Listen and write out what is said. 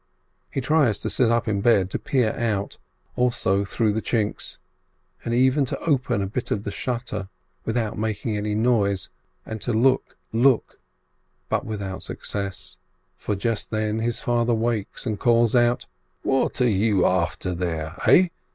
He tries to sit up in bed, to peer out, also through the chinks, and even to open a bit of the shutter, without making any noise, and to look, look, but without suc cess, for just then his father wakes and calls out: "What are you after there, eh?